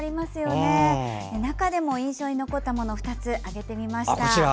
中でも印象に残ったもの２つ挙げてみました。